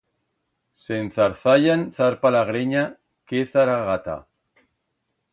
Se enzarzallan zarpa la grenya, que zaragata!